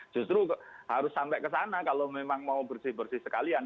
justru harus sampai ke sana kalau memang mau bersih bersih sekalian